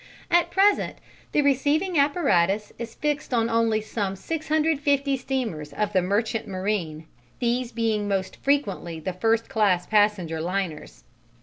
At present the receiving apparatus is fixed on only some 650 steamers of the merchant marine, these being mostly the first class passenger liners.